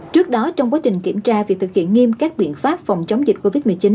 trước đó trong quá trình kiểm tra việc thực hiện nghiêm các biện pháp phòng chống dịch covid một mươi chín